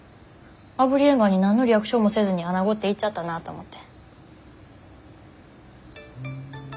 あぶりエンガワに何のリアクションもせずにアナゴって言っちゃったなと思って。